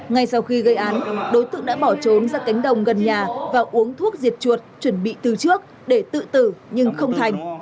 ngay sau khi gây án đối tượng đã bỏ trốn ra cánh đồng gần nhà và uống thuốc diệt chuột chuẩn bị từ trước để tự tử nhưng không thành